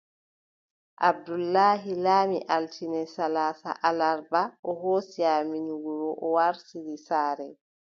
Abdoulaye laami, altine salaasa alarba, o hoosi amin wuro o wartiri saare.